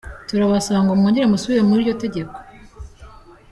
Turabasaba ngo mwongere musubire muri iryo tegeko.